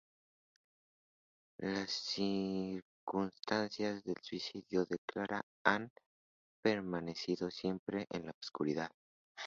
Las circunstancias del suicidio de Clara han permanecido siempre en la oscuridad.